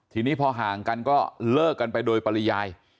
ทีนี้พอห่างกันก็เลิกกันไปโดยปริยาย